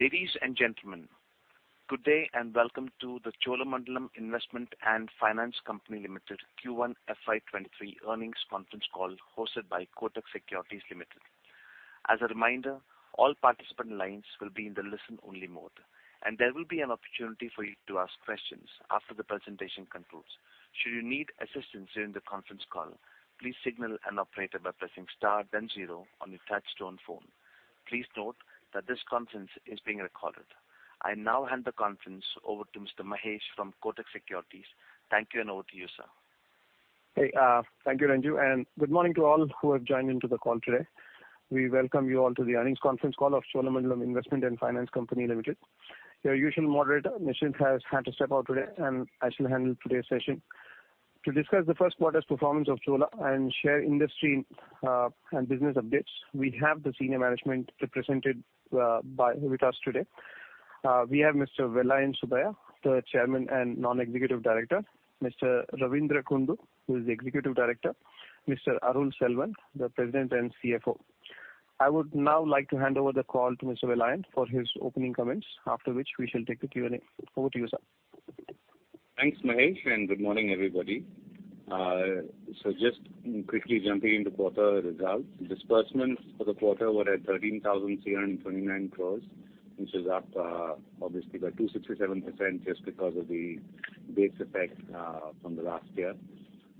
Ladies and gentlemen, good day and welcome to the Cholamandalam Investment and Finance Company Limited Q1 FY 2023 earnings conference call hosted by Kotak Securities Limited. As a reminder, all participant lines will be in the listen-only mode, and there will be an opportunity for you to ask questions after the presentation concludes. Should you need assistance during the conference call, please signal an operator by pressing star then zero on your touchtone phone. Please note that this conference is being recorded. I now hand the conference over to Mr. Mahesh from Kotak Securities. Thank you and over to you, sir. Hey, thank you, Renju, and good morning to all who have joined into the call today. We welcome you all to the earnings conference call of Cholamandalam Investment and Finance Company Limited. Your usual moderator, Nischint, has had to step out today, and I shall handle today's session. To discuss the first quarter's performance of Chola and share industry, and business updates, we have the senior management represented by, with us today. We have Mr. Vellayan Subbiah, the Chairman and Non-Executive Director. Mr. Ravindra Kundu, who is the Executive Director. Mr. Arul Selvan, the President and CFO. I would now like to hand over the call to Mr. Vellayan for his opening comments, after which we shall take the Q&A. Over to you, sir. Thanks, Mahesh, and good morning, everybody. So just quickly jumping into quarter results. Disbursement for the quarter were at 13,329 crores, which is up obviously by 267% just because of the base effect from the last year.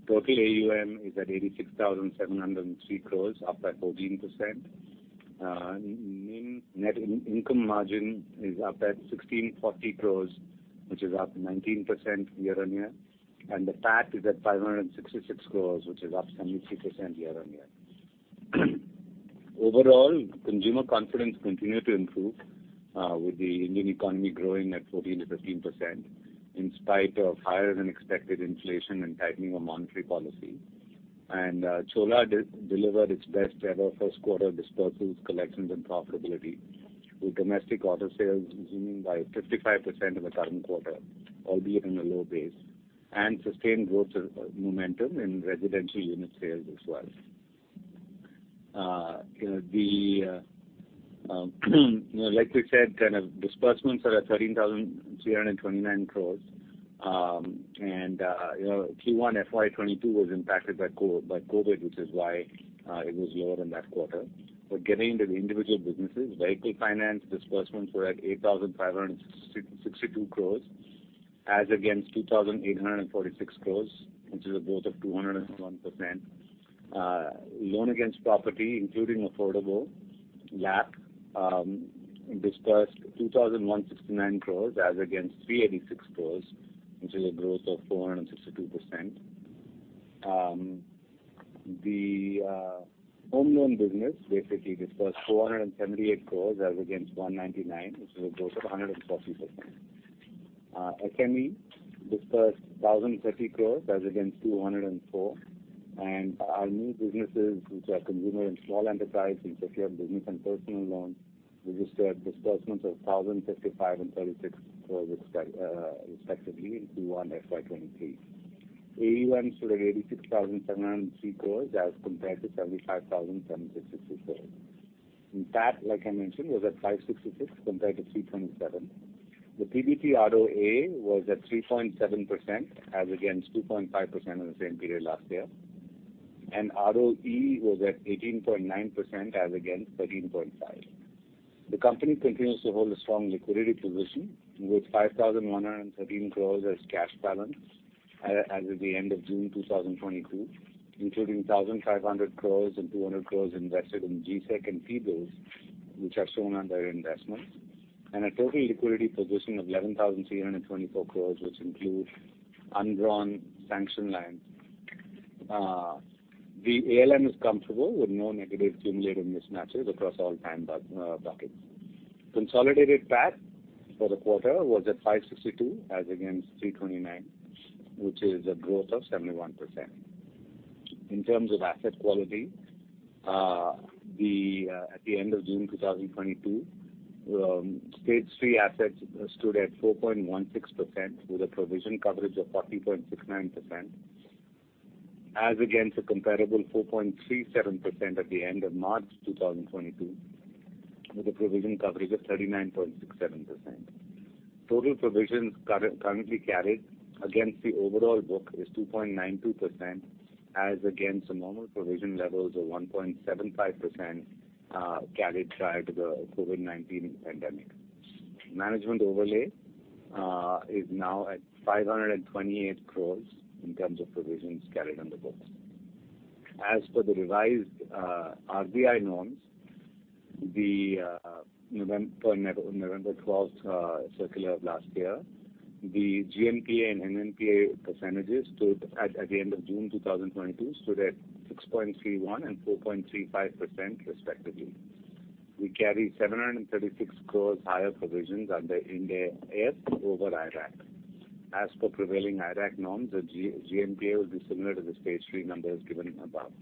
Total AUM is at 86,703 crores, up by 14%. Mean net income margin is up at 1,640 crores, which is up 19% year-on-year. The PAT is at 566 crores, which is up 73% year-on-year. Overall, consumer confidence continued to improve with the Indian economy growing at 14%-15% in spite of higher than expected inflation and tightening of monetary policy. Chola delivered its best ever first quarter disbursements, collections, and profitability, with domestic auto sales zooming by 55% in the current quarter, albeit on a low base, and sustained growth momentum in residential unit sales as well. The you know, like we said, kind of disbursements are at 13,329 crores. Q1 FY 2022 was impacted by COVID, which is why it was lower in that quarter. Getting into the individual businesses, vehicle finance disbursements were at 8,562 crores as against 2,846 crores, which is a growth of 201%. Loan against property, including affordable LAP, disbursed 2,169 crores as against 386 crores, which is a growth of 462%. The home loan business basically disbursed 478 crore as against 199 crore, which is a growth of 140%. SME disbursed 1,030 crore as against 204 crore. Our new businesses, which are consumer and small enterprise, in particular business and personal loans, registered disbursements of 1,035 crore and 36 crore, respectively in Q1 FY 2023. AUM stood at 86,703 crore as compared to 75,764 crore. PAT, like I mentioned, was at 566 crore compared to 327 crore. The PBT ROA was at 3.7% as against 2.5% in the same period last year. ROE was at 18.9% as against 13.5%. The company continues to hold a strong liquidity position with 5,113 crore as cash balance as of the end of June 2022, including 1,500 crore and 200 crore invested in G-Sec and T-bills, which are shown under investments, and a total liquidity position of 11,324 crore, which include undrawn sanction lines. The ALM is comfortable with no negative cumulative mismatches across all time buckets. Consolidated PAT for the quarter was at 562 crore as against 329 crore, which is a growth of 71%. In terms of asset quality, at the end of June 2022, stage three assets stood at 4.16% with a provision coverage of 40.69%, as against a comparable 4.37% at the end of March 2022, with a provision coverage of 39.67%. Total provisions currently carried against the overall book is 2.92% as against the normal provision levels of 1.75%, carried prior to the COVID-19 pandemic. Management overlay is now at 528 crore in terms of provisions carried on the books. As for the revised RBI norms, the November 12 circular of last year, the GNPA and NNPA percentages stood at the end of June 2022 at 6.31% and 4.35% respectively. We carry 736 crore higher provisions under Ind AS over IRAC. As per prevailing IRAC norms, the GNPA will be similar to the stage three numbers given above.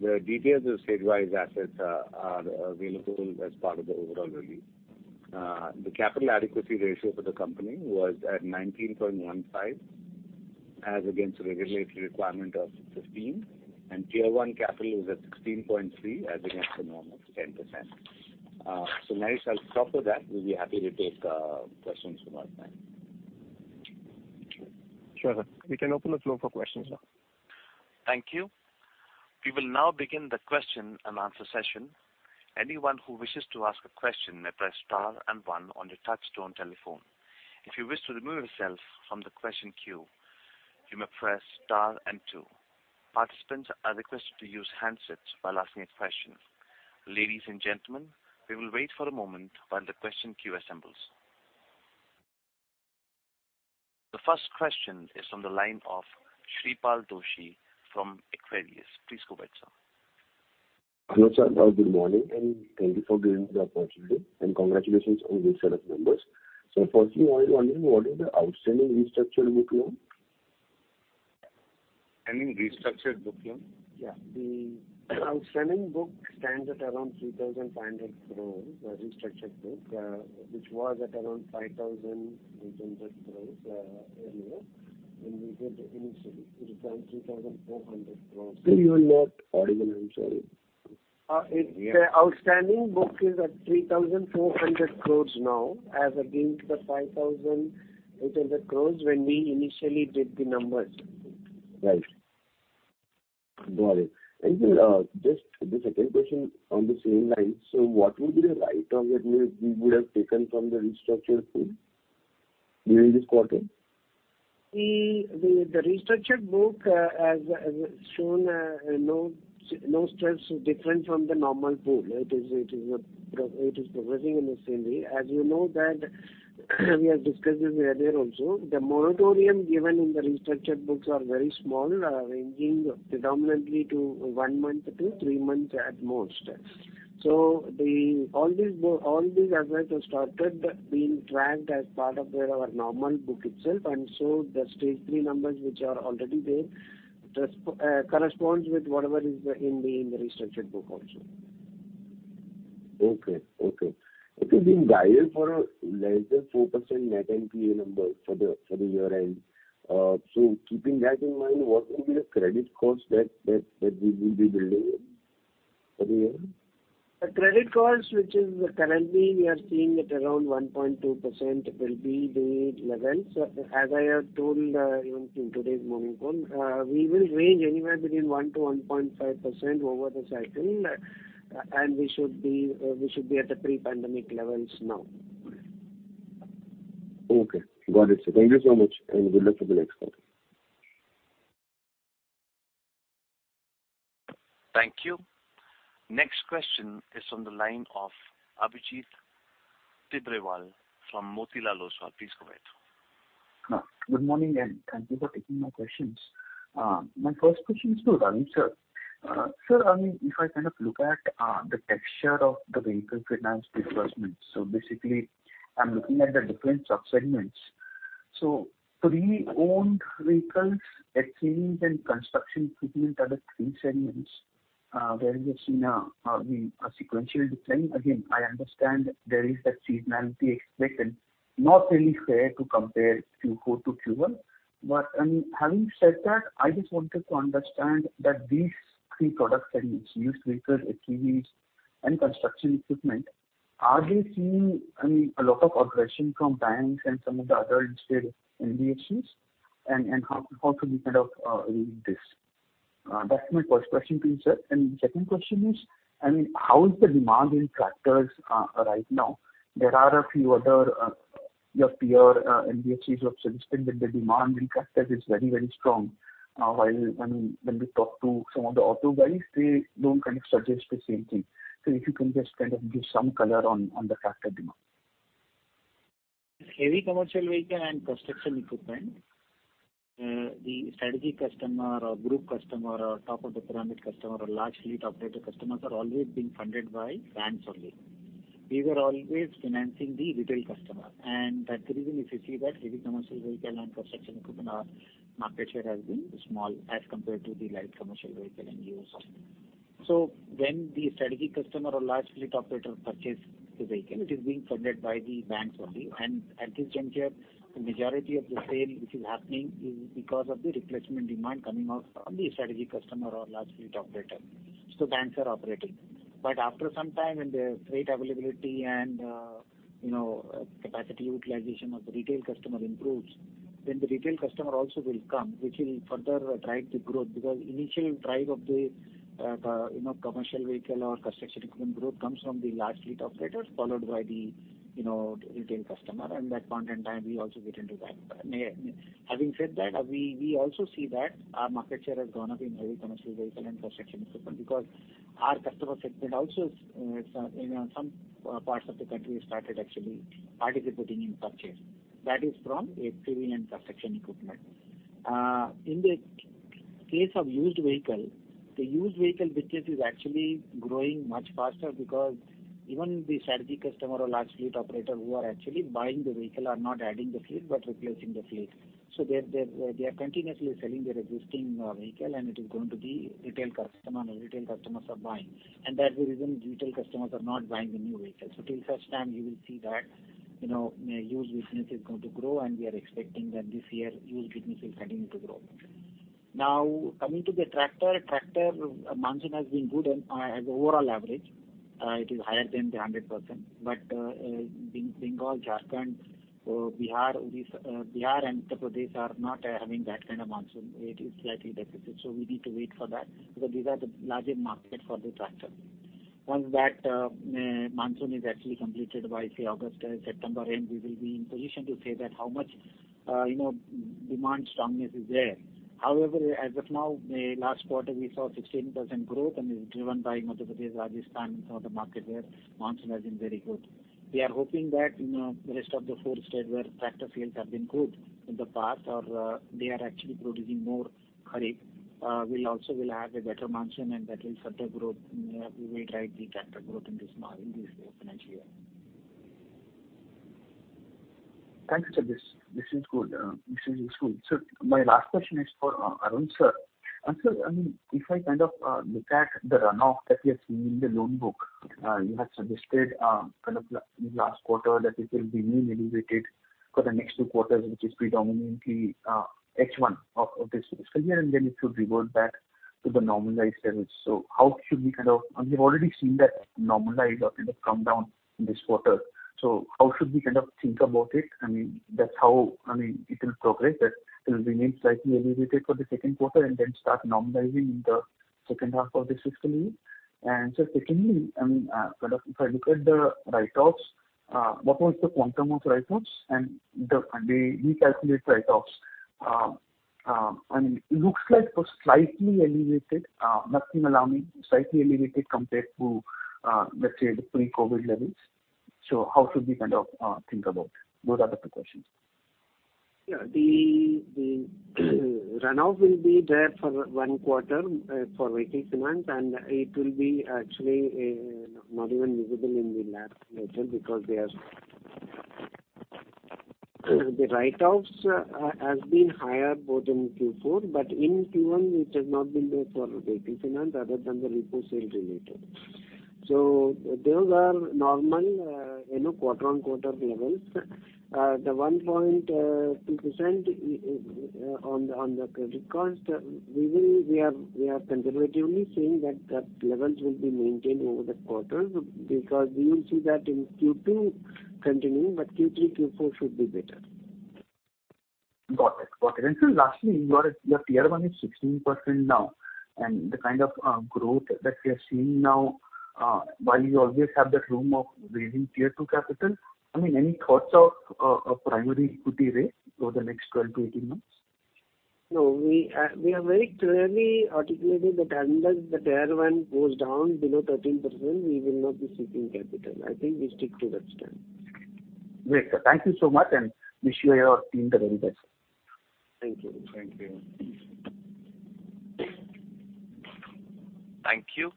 The details of stage-wise assets are available as part of the overall release. The capital adequacy ratio for the company was at 19.15. As against the regulatory requirement of 15% and Tier 1 capital is at 16.3% as against the norm of 10%. Mahesh, I'll stop with that. We'll be happy to take questions from our side. Sure, sir. We can open the floor for questions now. Thank you. We will now begin the question and answer session. Anyone who wishes to ask a question may press star and one on your touchtone telephone. If you wish to remove yourself from the question queue, you may press star and two. Participants are requested to use handsets while asking a question. Ladies and gentlemen, we will wait for a moment while the question queue assembles. The first question is from the line of Shreepal Doshi from Equirus Securities. Please go ahead, sir. Hello, sir. Good morning, and thank you for giving me the opportunity, and congratulations on this set of numbers. Firstly, I was wondering what is the outstanding restructured book loan? I mean, restructured book loan? The outstanding book stands at around 3,500 crores, the restructured book, which was at around 5,800 crores, earlier when we did initially. It was around 3,400 crores. Still you are not audible. I'm sorry. It's the outstanding book is at 3,400 crores now as against the 5,800 crores when we initially did the numbers. Right. Got it. Just the second question on the same line. What will be the write-off that we would have taken from the restructured pool during this quarter? The restructured book has shown no stress different from the normal pool. It is progressing in the same way. As you know that, we have discussed this earlier also. The moratorium given in the restructured books are very small, ranging predominantly to one month to three months at most. All these assets are started being tracked as part of their our normal book itself. The stage three numbers, which are already there, corresponds with whatever is in the restructured book also. Okay. It has been guided for less than 4% net NPA number for the year end. Keeping that in mind, what will be the credit cost that we will be building for the year? The credit cost, which is currently we are seeing at around 1.2%, will be the levels. As I have told, even in today's morning call, we will range anywhere between 1%-1.5% over the cycle, and we should be at the pre-pandemic levels now. Okay. Got it. Thank you so much, and good luck for the next quarter. Thank you. Next question is from the line of Abhijit Tibrewal from Motilal Oswal. Please go ahead. Good morning, and thank you for taking my questions. My first question is to Ravindra Kumar Kundu, sir. Sir, I mean, if I kind of look at the texture of the vehicle finance disbursements, so basically I'm looking at the difference of segments. Pre-owned vehicles, ATVs and construction equipment are the three segments where we have seen a sequential decline. Again, I understand there is a seasonality expected, not really fair to compare Q4 to Q1. I mean, having said that, I just wanted to understand that these three products, that is used vehicles, ATVs and construction equipment, are they seeing a lot of aggression from banks and some of the other established NBFCs? And how should we kind of read this? That's my first question to you, sir. Second question is, I mean, how is the demand in tractors right now? There are a few other your peer NBFCs who have suggested that the demand in tractors is very, very strong. While, I mean, when we talk to some of the auto guys, they don't kind of suggest the same thing. If you can just kind of give some color on the tractor demand. Heavy commercial vehicle and construction equipment, the strategic customer or group customer or top of the pyramid customer or large fleet operator customers are always being funded by banks only. We were always financing the retail customer. That's the reason if you see that heavy commercial vehicle and construction equipment, our market share has been small as compared to the light commercial vehicle and used one. When the strategic customer or large fleet operator purchase the vehicle, it is being funded by the banks only. At this juncture, the majority of the sale which is happening is because of the replacement demand coming out from the strategic customer or large fleet operator. Banks are operating. After some time, when the freight availability and, you know, capacity utilization of the retail customer improves, then the retail customer also will come, which will further drive the growth because initial drive of the, you know, commercial vehicle or construction equipment growth comes from the large fleet operators followed by the, you know, retail customer and that point in time we also get into that. Having said that, we also see that our market share has gone up in Heavy Commercial Vehicle and construction equipment because our customer segment also, in some parts of the country started actually participating in purchase. That is from HCV and construction equipment. In the case of used vehicle, the used vehicle business is actually growing much faster because even the strategic customer or large fleet operator who are actually buying the vehicle are not adding the fleet but replacing the fleet. They are continuously selling their existing vehicle and it is going to the retail customer and the retail customers are buying. That's the reason retail customers are not buying the new vehicles. Till such time you will see that you know, used business is going to grow, and we are expecting that this year used business is heading to grow. Now, coming to the tractor. Tractor monsoon has been good and as overall average, it is higher than 100%. Bengal, Jharkhand, Bihar and Uttar Pradesh are not having that kind of monsoon. It is slightly deficit. We need to wait for that because these are the largest market for the tractor. Once that monsoon is actually completed by, say, August-September end, we will be in position to say that how much you know demand strongness is there. However, as of now, the last quarter we saw 16% growth and is driven by Madhya Pradesh, Rajasthan and some other market where monsoon has been very good. We are hoping that you know rest of the four states where tractor fields have been good in the past or they are actually producing more kharif will also have a better monsoon and that will further drive the tractor growth in this financial year. Thank you, sir. This is good. This is useful. My last question is for Arul sir. Sir, I mean, if I kind of look at the runoff that we are seeing in the loan book, you have suggested kind of last quarter that it will be mainly weighted for the next two quarters, which is predominantly H1 of this fiscal year, and then it should revert back to the normalized levels. How should we kind of think about it? I mean, we've already seen that normalized or kind of come down in this quarter. How should we kind of think about it? I mean, that's how I mean, it will progress, that it will remain slightly elevated for the second quarter and then start normalizing in the second half of this fiscal year. Sir, secondly, I mean, kind of if I look at the write-offs, what was the quantum of write-offs and the pre-calculated write-offs? I mean, looks like for slightly elevated, nothing alarming, slightly elevated compared to, let's say the pre-COVID levels. How should we kind of think about? Those are the two questions. Yeah. The runoff will be there for one quarter for retail finance, and it will be actually not even visible in the LAP later because they are. The write-offs has been higher both in Q4, but in Q1 it has not been there for retail finance other than the repo sale related. Those are normal, you know, quarter-on-quarter levels. The 1.2% on the credit cards, we are conservatively saying that levels will be maintained over the quarters because we will see that in Q2 continuing, but Q3, Q4 should be better. Got it. Sir, lastly, your Tier 1 is 16% now and the kind of growth that we are seeing now, while you always have that room to raise Tier 2 capital, I mean, any thoughts of a primary equity raise over the next 12 to 18 months? No. We are very clearly articulating that unless the Tier 1 goes down below 13%, we will not be seeking capital. I think we stick to that stand. Great, sir. Thank you so much and wish you and your team the very best. Thank you. Thank you. Thank you.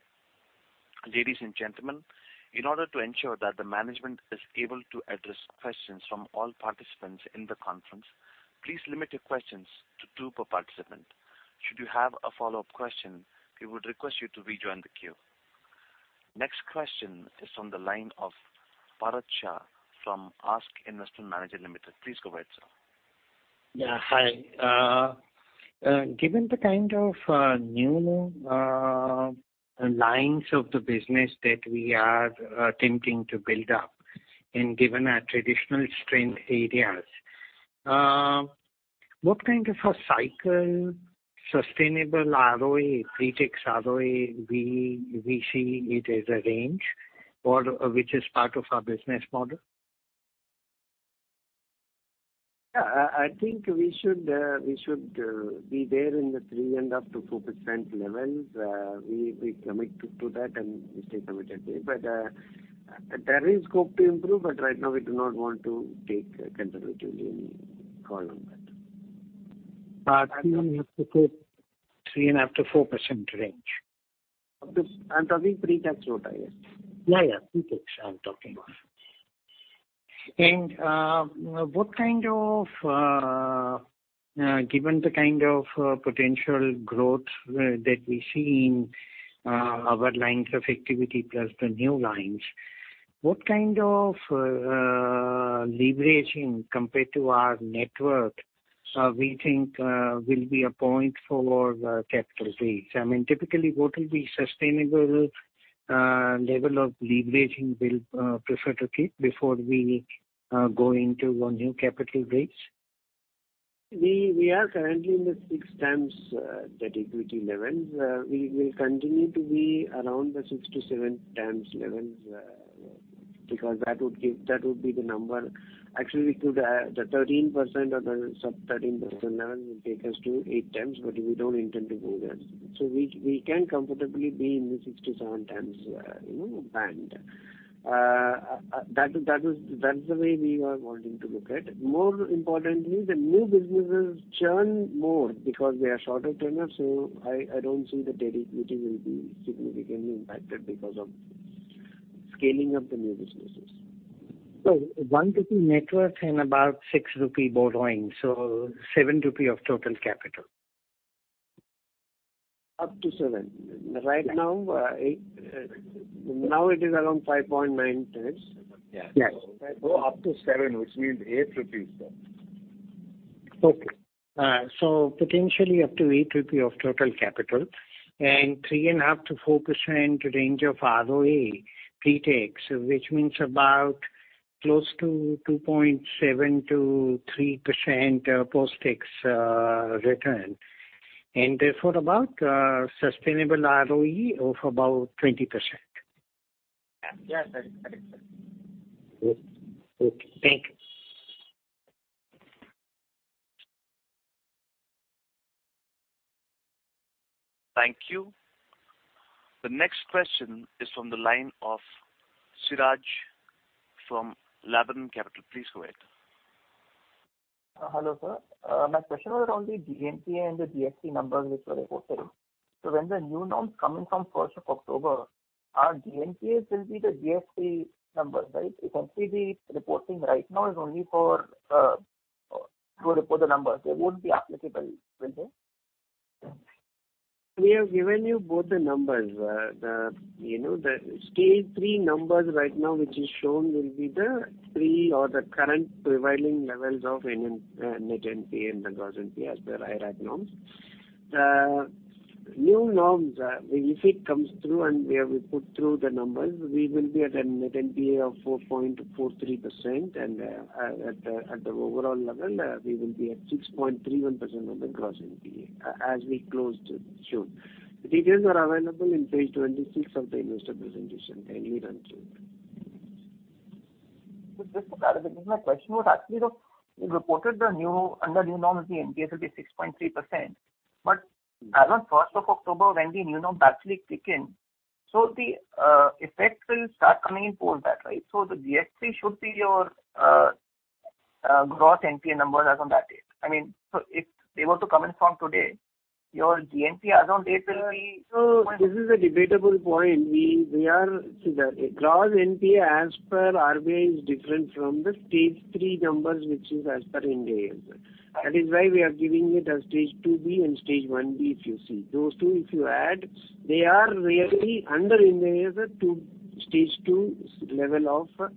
Ladies and gentlemen, in order to ensure that the management is able to address questions from all participants in the conference, please limit your questions to two per participant. Should you have a follow-up question, we would request you to rejoin the queue. Next question is on the line of Bharat Shah from ASK Investment Managers Limited. Please go ahead, sir. Yeah. Hi. Given the kind of new lines of the business that we are attempting to build up and given our traditional strength areas, what kind of a cyclically sustainable ROE, pretax ROE we see it as a range or which is part of our business model? Yeah. I think we should be there in the 3%-4% levels. We commit to that and we stay committed to it. There is scope to improve, but right now we do not want to take a conservative call on that. 3%-4% range. I'm talking pre-tax ROE. Yeah, pre-tax I'm talking about. What kind of, given the kind of potential growth that we see in our lines of activity plus the new lines, what kind of leveraging compared to our net worth we think will be a point for capital raise? I mean, typically, what will be sustainable level of leveraging we'll prefer to keep before we go into one new capital raise? We are currently at the 6x equity levels. We will continue to be around the 6-7x levels because that would give that would be the number. Actually, we could the 13% or the sub-13% level will take us to 8x, but we don't intend to go there. We can comfortably be in the 6-7x, you know, band. That is, that's the way we are wanting to look at. More importantly, the new businesses churn more because they are shorter tenure. I don't see the debt equity will be significantly impacted because of scaling of the new businesses. 1 net worth and about 6 rupee borrowing, so 7 rupee of total capital? Up to 7x. Right now, 8x, now it is around 5.9 trillion. Yes. Go up to 7x, which means 8% then. Okay. So potentially up to 8% of total capital and 3.5%-4% range of ROE pre-tax, which means about close to 2.7%-3%, post-tax, return. Therefore about sustainable ROE of about 20%. Yes, that is correct, sir. Okay. Thank you. Thank you. The next question is from the line of Sharaj Singh from Laburnum Capital. Please go ahead. Hello, sir. My question was around the GNPA and the GNPA numbers which were reported. When the new norms coming from first of October, our GNPA will be the GNPA number, right? You can see the reporting right now is only for to report the numbers. They won't be applicable, will they? We have given you both the numbers. You know, the stage three numbers right now, which is shown will be the pre or the current prevailing levels of any net NPA and the gross NPA as per IRAC norms. The new norms, if it comes through and we have put through the numbers, we will be at a net NPA of 4.43% and at the overall level we will be at 6.31% of the gross NPA as we close June. The details are available in page 26 of the investor presentation. Kindly refer to it. This is my question. Actually, you reported the GNPA under new norm of the NPA will be 6.3%. As on first of October when the new norm actually kick in, the effect will start coming in for that, right? The GNPA should be your gross NPA numbers as on that date. I mean, if they were to come in from today, your GNPA as on date will be. This is a debatable point. We are Gross NPA as per RBI is different from the stage 3 numbers, which is as per Ind AS. That is why we are giving it as stage 2B and stage 1B if you see. Those two if you add, they are really under Ind AS to stage 2s-level of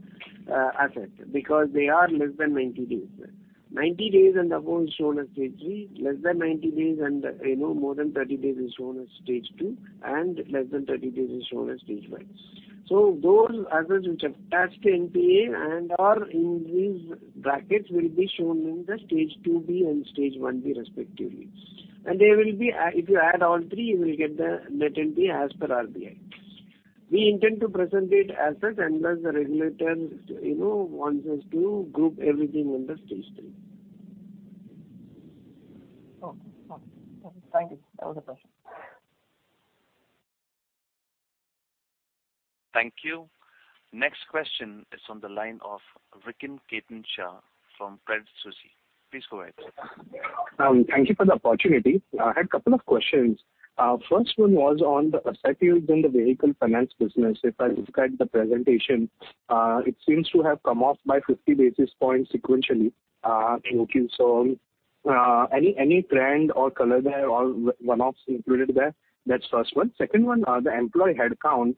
asset because they are less than 90 days. 90 days and above is shown as stage 3, less than 90 days and, you know, more than 30 days is shown as stage 2, and less than 30 days is shown as stage 1. Those assets which are attached to NPA and or in these brackets will be shown in the stage 2B and stage 1B respectively. And they will be if you add all three you will get the net NPA as per RBI. We intend to present it as such unless the regulator, you know, wants us to group everything under stage three. Oh, Thank you. That was the question. Thank you. Next question is on the line of Rikin Ketan Shah from Credit Suisse. Please go ahead. Thank you for the opportunity. I had a couple of questions. First one was on the asset yields in the vehicle finance business. If I look at the presentation, it seems to have come off by 50 basis points sequentially, in Q1. Any trend or color there or one-offs included there? That's first one. Second one, the employee headcount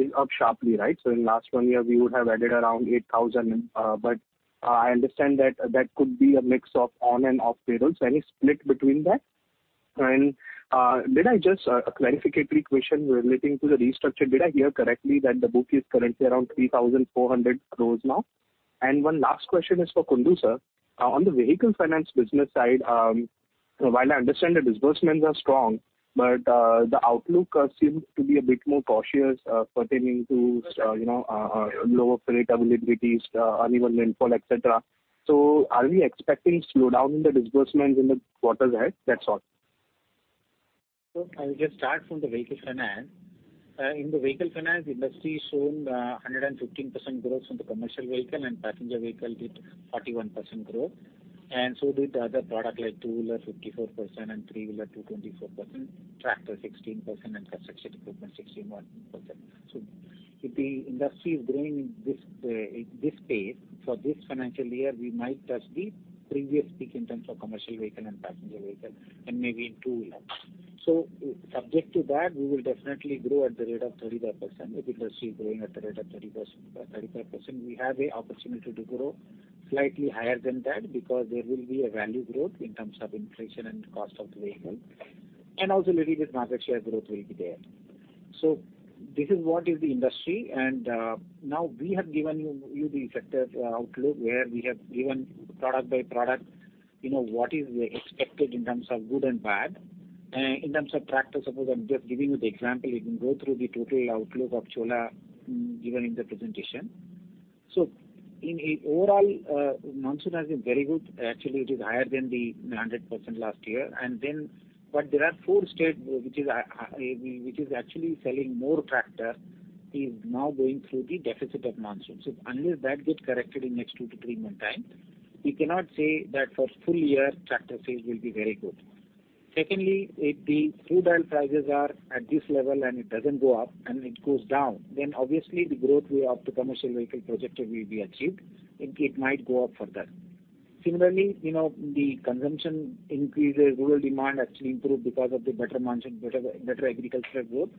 is up sharply, right? In last one year we would have added around 8,000, but I understand that could be a mix of on and off payroll. Any split between that? I just a clarificatory question relating to the restructure. Did I hear correctly that the book is currently around 3,400 crores now? One last question is for Kundu, sir. On the vehicle finance business side, while I understand the disbursements are strong, but the outlook seems to be a bit more cautious, pertaining to you know, lower fleet availabilities, uneven rainfall, et cetera. Are we expecting slowdown in the disbursements in the quarters ahead? That's all. I will just start from the vehicle finance. In the vehicle finance industry showed 115% growth from the commercial vehicle and passenger vehicle with 41% growth. The other products like two-wheeler 54% and three-wheeler 224%, tractor 16% and construction equipment 161%. If the industry is growing in this pace for this financial year, we might touch the previous peak in terms of commercial vehicle and passenger vehicle and maybe in two-wheeler. Subject to that, we will definitely grow at the rate of 35%. If industry is growing at the rate of 30%-35%, we have a opportunity to grow slightly higher than that because there will be a value growth in terms of inflation and cost of the vehicle, and also little bit market share growth will be there. This is what is the industry. Now we have given you the effective outlook where we have given product by product, you know, what is expected in terms of good and bad. In terms of tractor, suppose I'm just giving you the example, you can go through the total outlook of Chola given in the presentation. In an overall, monsoon has been very good. Actually it is higher than 100% last year. There are four states which is actually selling more tractors is now going through the deficit of monsoon. Unless that gets corrected in next 2-3 months' time, we cannot say that for full year tractor sales will be very good. Secondly, if the crude oil prices are at this level and it doesn't go up and it goes down, then obviously the growth we have to commercial vehicle projected will be achieved. It might go up further. Similarly, you know, the consumption increases, rural demand actually improved because of the better monsoon, better agricultural growth.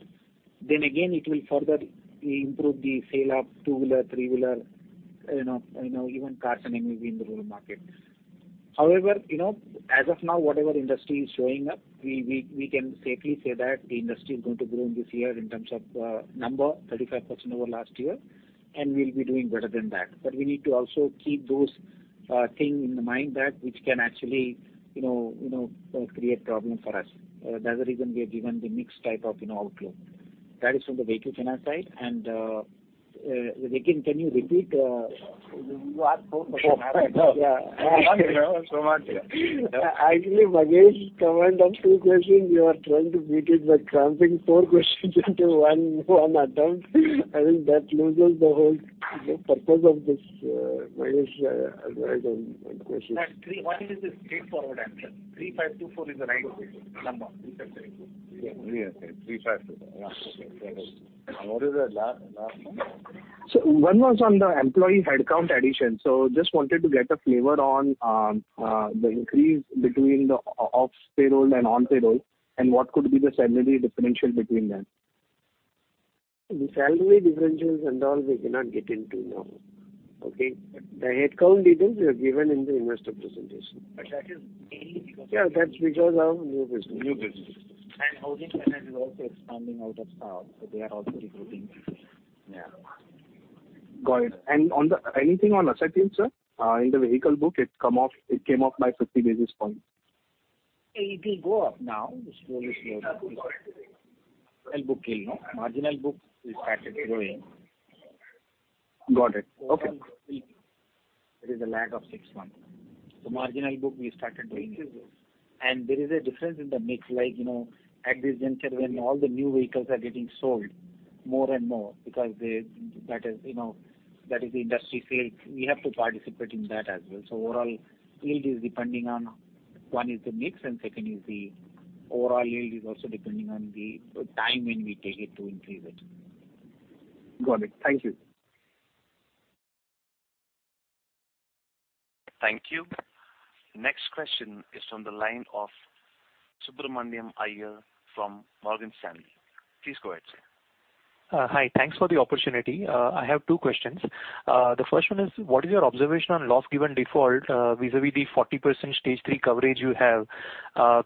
Again, it will further improve the sale of two-wheeler, three-wheeler, you know, even cars and maybe in the rural market. However, you know, as of now, whatever industry is showing up, we can safely say that the industry is going to grow in this year in terms of number, 35% over last year, and we'll be doing better than that. We need to also keep those things in mind that which can actually, you know, create problem for us. That's the reason we have given the mixed type of outlook. That is from the vehicle finance side. Rikin, can you repeat? You asked four questions. I know. Yeah. So much. Yeah. Actually, Mahesh covered up two questions. You are trying to beat it by cramming four questions into one attempt. I think that loses the whole purpose of this, Mahesh asking one question. That 31 is a straightforward answer. 3524 is the right number. Yes. 352. Yeah. Okay. Got it. What is the last number? So one was on the employee headcount addition. Just wanted to get a flavor on the increase between the off payroll and on payroll and what could be the salary differential between them. The salary differentials and all we cannot get into now. Okay. The headcount details we have given in the investor presentation. That is mainly because of new business. Yeah, that's because of new business. Housing finance is also expanding out of staff, so they are also recruiting people. Yeah. Got it. Anything on asset team, sir? In the vehicle book, it came off by 50 basis points. It will go up now. This ROA is here. Well, book yield. Marginal book yield will start growing. Got it. Okay. There is a lag of six months. Marginal book we started doing. There is a difference in the mix like, you know, at this juncture when all the new vehicles are getting sold more and more because that is, you know, that is the industry sales, we have to participate in that as well. Overall yield is depending on one is the mix and second is the overall yield is also depending on the time when we take it to increase it. Got it. Thank you. Thank you. Next question is from the line of Subramanian Iyer from Morgan Stanley. Please go ahead, sir. Hi. Thanks for the opportunity. I have two questions. The first one is, what is your observation on loss given default, vis-à-vis the 40% stage three coverage you have,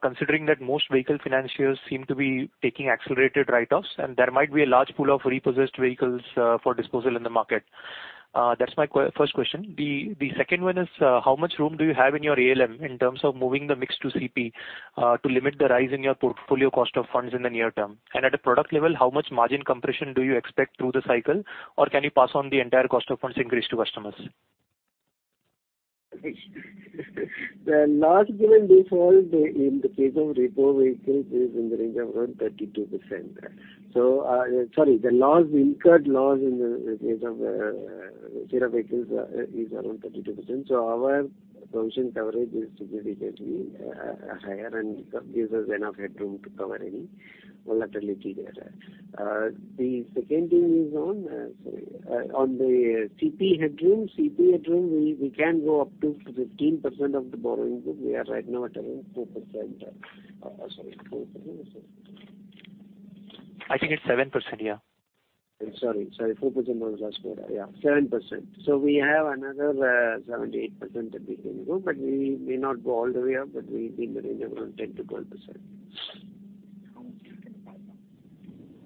considering that most vehicle financiers seem to be taking accelerated write-offs and there might be a large pool of repossessed vehicles, for disposal in the market? That's my first question. The second one is, how much room do you have in your ALM in terms of moving the mix to CP, to limit the rise in your portfolio cost of funds in the near term? At a product level, how much margin compression do you expect through the cycle, or can you pass on the entire cost of funds increase to customers? The loss given default in the case of repo vehicles is in the range of around 32%. The incurred loss in the case of repo vehicles is around 32%. Our provision coverage is significantly higher and gives us enough headroom to cover any volatility there. The second thing is on the CP headroom. CP headroom, we can go up to 15% of the borrowing book. We are right now at around 4% or 6%? I think it's 7%. Yeah. Sorry. 4% was last quarter. Yeah, 7%. We have another 7%-8% at the beginning, but we may not go all the way up, but we'll be in the range of around 10%-12%.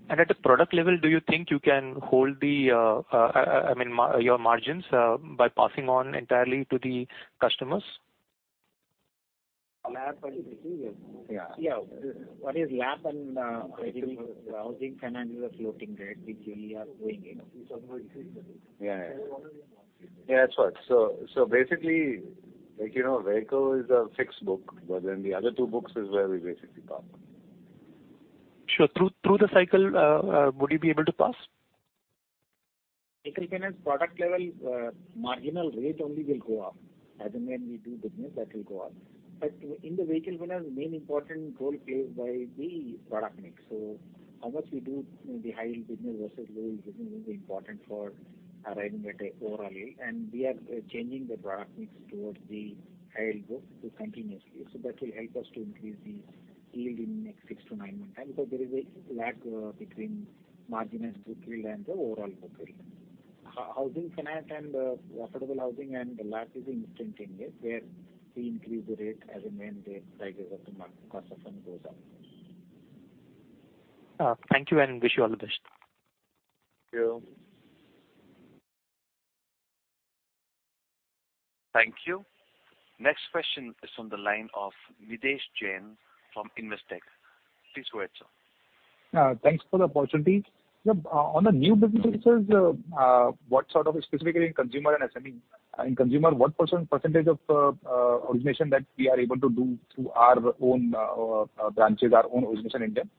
At the product level, do you think you can hold the, I mean, your margins by passing on entirely to the customers? Yeah, What is LAP and housing finance is a floating rate which we are doing it. Yeah, that's right. So basically, like, you know, vehicle is a fixed book, but then the other two books is where we basically pass. Sure. Through the cycle, would you be able to pass? Vehicle Finance product level, marginal rate only will go up as and when we do business that will go up. In the Vehicle Finance, main important role played by the product mix. How much we do the high yield business versus low yield business will be important for arriving at an overall yield. We are changing the product mix towards the high yield book continuously. That will help us to increase the yield in next six to nine months time. There is a lag between marginal book yield and the overall book yield. Housing finance and affordable housing and LAP is instantaneous, where we increase the rate as and when the cycles of the market cost of fund goes up. Thank you and wish you all the best. Thank you. Thank you. Next question is on the line of Nidhesh Jain from Investec. Please go ahead, sir. Thanks for the opportunity. On the new businesses, what sort of specifically in consumer and SME, in consumer, what percentage of origination that we are able to do through our own branches, our own origination engine?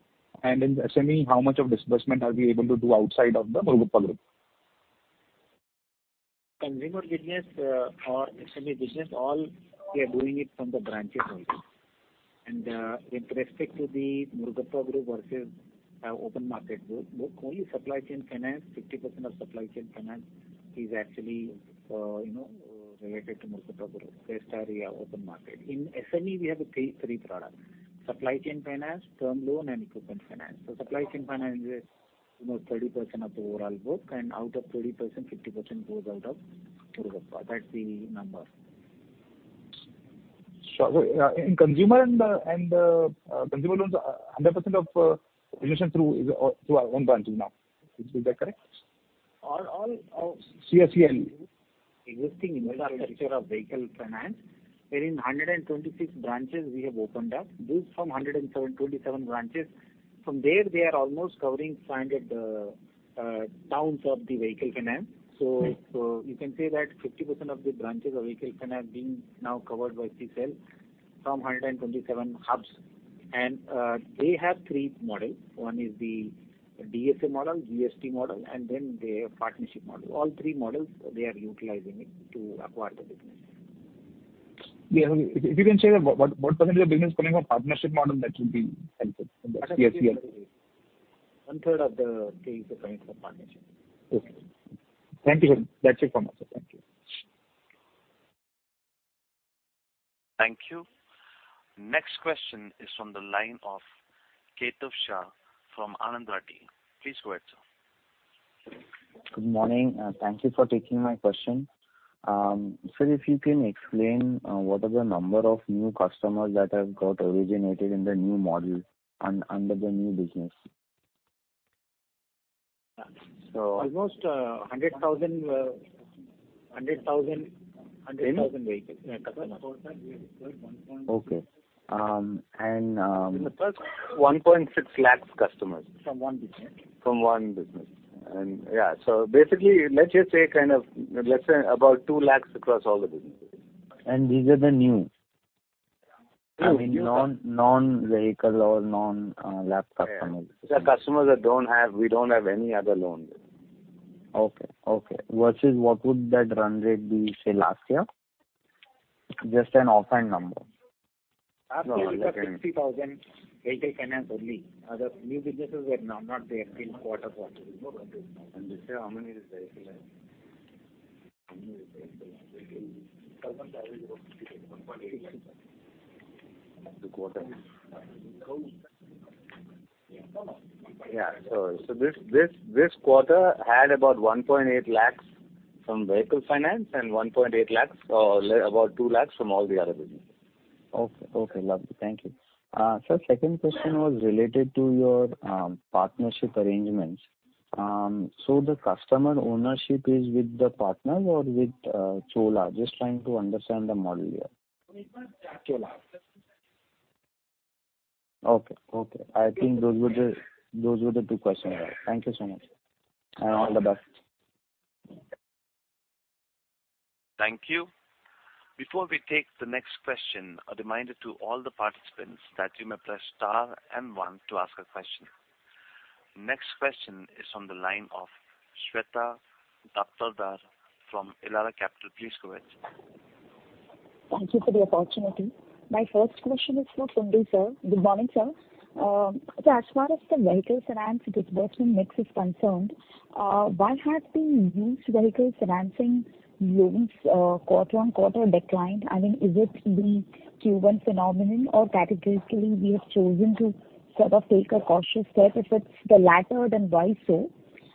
In SME, how much of disbursement are we able to do outside of the Muthoot group? Consumer business or SME business, all we are doing it from the branches only. With respect to the Murugappa Group versus open market group, book only supply chain finance, 50% of supply chain finance is actually, you know, related to Murugappa Group. Rest are your open market. In SME, we have three products. Supply chain finance, term loan and equipment finance. Supply chain finance is, you know, 30% of the overall book and out of 30%, 50% goes out of Murugappa. That's the number. In consumer loans 100% of origination is through our own branch now. Is that correct? All. CSEC. Existing infrastructure of Vehicle Finance. Where in 126 branches we have opened up. These from 127 branches. From there they are almost covering standard towns of the Vehicle Finance. You can say that 50% of the branches of Vehicle Finance being now covered by CSEC from 127 hubs. They have three model. One is the DSA model, DST model, and then they have partnership model. All three models they are utilizing it to acquire the business. Yeah. If you can say that what percentage of business coming from partnership model, that would be helpful in the CSEC. One-third of the cases are coming from partnership. Okay. Thank you. That's it from us, sir. Thank you. Thank you. Next question is from the line of Kaitav Shah from Anand Rathi. Please go ahead, sir. Good morning, and thank you for taking my question. Sir, if you can explain what are the number of new customers that have got originated in the new model under the new business? Almost 100,000 vehicles. Okay. In the first 1.6 lakh customers. From one business. From one business. Yeah, so basically, let's just say kind of, let's say about 2 lakh across all the businesses. These are the new? Yeah. I mean, non-vehicle or non-LAP customers. Yeah. We don't have any other loans. Okay. Versus what would that run rate be, say, last year? Just an offhand number. Last year it was 60,000 Vehicle Finance only. Other new businesses were not there in quarter one. This year how many is the vehicle finance? Yeah. So this quarter had about 1.8 lakh from vehicle finance and 1.8 lakh or about 2 lakh from all the other businesses. Okay. Lovely. Thank you. Sir, second question was related to your partnership arrangements. The customer ownership is with the partner or with Chola? Just trying to understand the model here. Chola. Okay. I think those were the two questions I had. Thank you so much. All the best. Thank you. Before we take the next question, a reminder to all the participants that you may press star and one to ask a question. Next question is on the line of Sweta Daptardar from Elara Capital. Please go ahead. Thank you for the opportunity. My first question is for Ravindra Kundu, sir. Good morning, sir. As far as the vehicle finance disbursement mix is concerned, why has the used vehicle financing loans quarter-on-quarter declined? I mean, is it the Q1 phenomenon or categorically we have chosen to sort of take a cautious step? If it's the latter, then why so?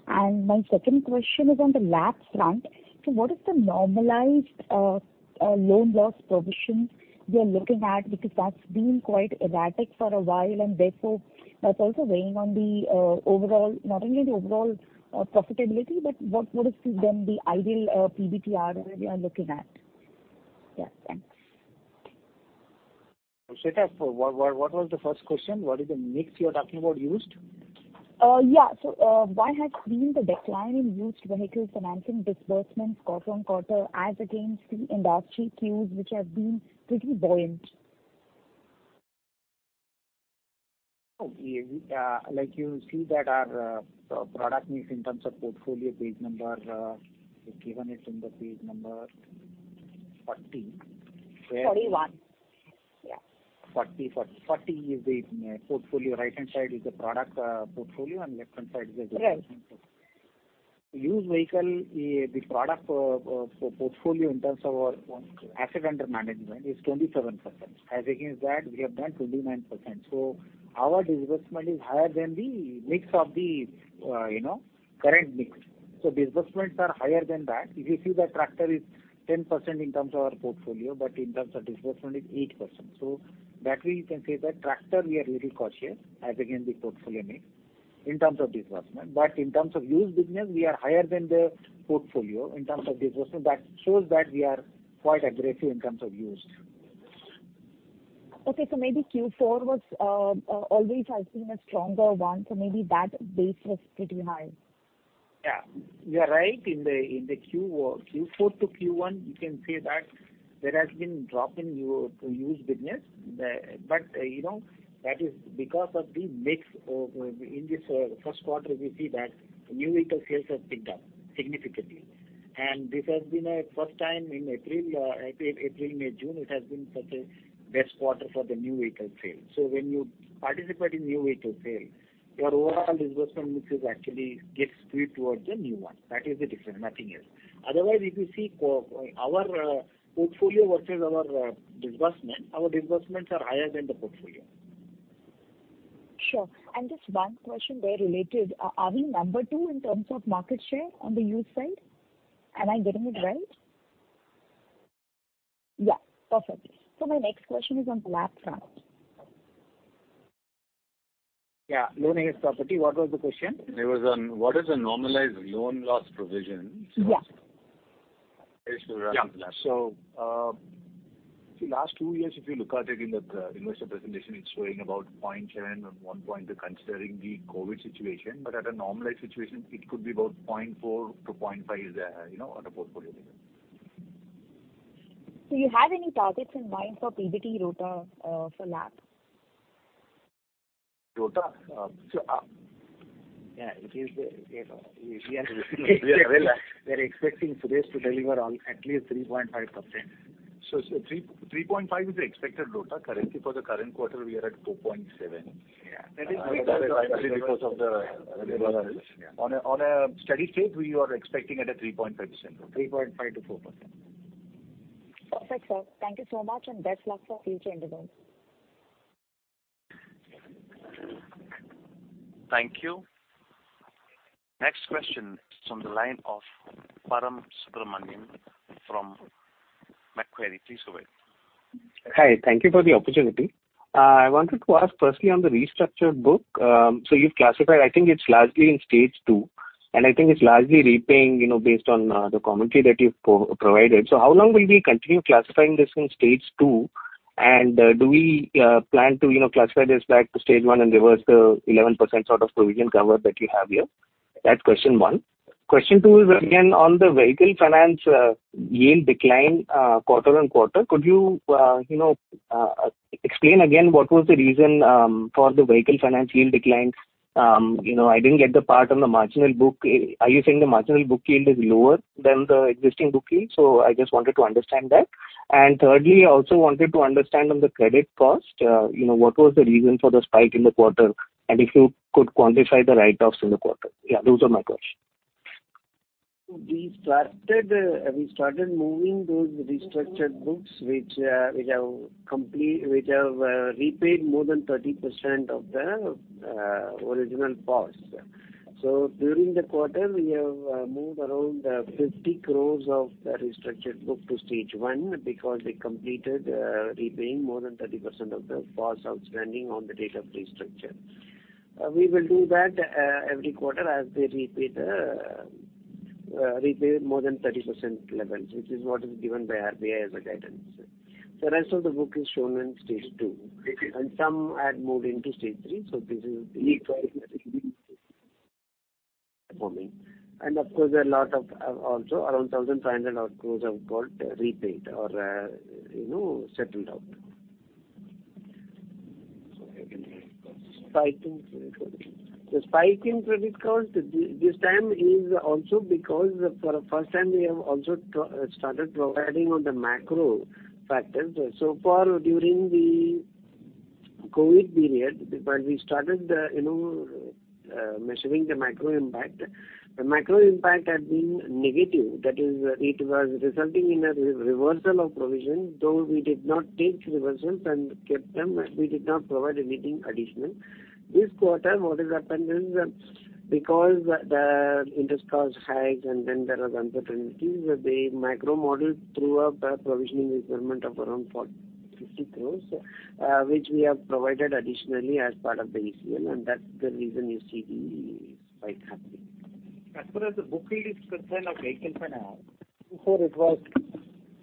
My second question is on the LAP front. What is the normalized loan loss provision we are looking at? Because that's been quite erratic for a while, and therefore that's also weighing on the overall profitability, but what would have been the ideal PBT ROA we are looking at? Thanks. Sweta, what was the first question? What is the mix you're talking about used? Why has been the decline in used vehicle financing disbursements quarter-over-quarter as against the industry cues which have been pretty buoyant? Oh, yeah. Like you see that our product mix in terms of portfolio page number, we've given it in the page number 40 where- 41. Yeah. 40 is the portfolio. Right-hand side is the product, portfolio and left-hand side is the disbursement. Right. Used vehicle, the product, portfolio in terms of our asset under management is 27%. As against that we have done 29%. Our disbursement is higher than the mix of the, you know, current mix. Disbursements are higher than that. If you see the tractor is 10% in terms of our portfolio, but in terms of disbursement is 8%. That way you can say that tractor we are little cautious as against the portfolio mix in terms of disbursement. In terms of used business we are higher than the portfolio in terms of disbursement. That shows that we are quite aggressive in terms of used. Okay. Maybe Q4 always has been a stronger one. Maybe that base was pretty high. Yeah, you are right. In the Q4 to Q1 you can say that there has been drop in used business. But, you know, that is because of the mix. In this first quarter we see that new vehicle sales have picked up significantly. This has been a first time in April, May, June, it has been such a best quarter for the new vehicle sales. So when you participate in new vehicle sale, your overall disbursement, which is actually gets skewed towards the new one. That is the difference, nothing else. Otherwise, if you see our portfolio versus our disbursement, our disbursements are higher than the portfolio. Sure. Just one question there related. Are we number two in terms of market share on the used side? Am I getting it right? Yeah, perfect. My next question is on the LAP front. Yeah. Loan Against Property. What was the question? It was on what is the normalized loan loss provision? Yeah. The last two years, if you look at it in the investor presentation, it's showing about 0.7% or 1% considering the COVID situation, but at a normalized situation it could be about 0.4%-0.5%, you know, on a portfolio. Do you have any targets in mind for PBT ROA, for LAP? ROA? Yeah, it is the, you know, we are expecting Suresh to deliver on at least 3.5%. 3.5% is the expected ROA. Currently, for the current quarter we are at 2.7%. Yeah. That is because, on a steady state, we are expecting at a 3.5%. Three point five to four percent. Perfect, sir. Thank you so much, and best luck for future endeavors. Thank you. Next question is from the line of Param Subramanian from Macquarie. Please go ahead. Hi. Thank you for the opportunity. I wanted to ask firstly on the restructured book. You've classified, I think it's largely in stage two, and I think it's largely repaying, you know, based on the commentary that you've provided. How long will we continue classifying this in stage two? And do we plan to, you know, classify this back to stage one and reverse the 11% sort of provision cover that you have here? That's question one. Question two is again on the Vehicle Finance yield decline quarter-on-quarter. Could you know, explain again what was the reason for the Vehicle Finance yield declines? You know, I didn't get the part on the marginal book. Are you saying the marginal book yield is lower than the existing book yield? I just wanted to understand that. Thirdly, I also wanted to understand on the credit cost, you know, what was the reason for the spike in the quarter? If you could quantify the write-offs in the quarter? Yeah, those are my questions. We started moving those restructured books, which have repaid more than 30% of the original costs. During the quarter, we have moved around 50 crore of the restructured book to stage one because they completed repaying more than 30% of the costs outstanding on the date of restructure. We will do that every quarter as they repay more than 30% levels, which is what is given by RBI as a guidance. The rest of the book is shown in stage two. Okay. Some had moved into stage three. This is the remaining performing. Of course, also a lot of around 1,500 crores have got repaid or, you know, settled out. Spike in credit cost. The spike in credit cost this time is also because for the first time we have also started providing on the macro factors. So far during the COVID period, when we started, you know, measuring the macro impact, the macro impact had been negative. That is, it was resulting in a reversal of provision, though we did not take reversals and kept them, we did not provide anything additional. This quarter, what has happened is because the interest costs highs and then there are uncertainties, the macro model threw up a provisioning requirement of around 40-50 crore, which we have provided additionally as part of the ECL, and that's the reason you see the spike happening. As far as the book yield is concerned of vehicle finance, before it was